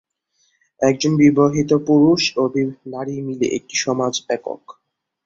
একজন বিবাহিত পুরুষ ও নারী মিলিয়ে একটি সমাজ একক।